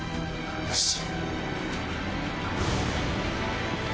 よし！